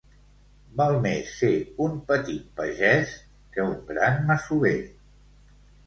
Val més ser un petit pagès que un gran masover.